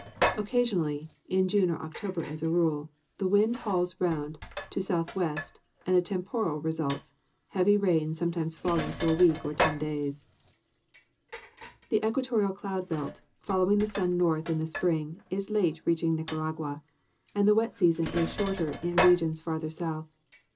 Occasionally, in June or October as a rule, the wind hauls round to southwest and a temporal results, heavy rain sometimes falling for a week or ten days. The equatorial cloud belt, following the sun north in the spring, is late reaching Nicaragua, and the wet season is shorter than in regions farther south.